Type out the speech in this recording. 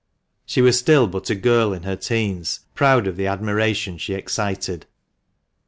She was still but a girl in her teens, proud of the admiration she excited.